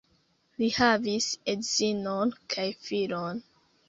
Li havis edzinon kaj filon.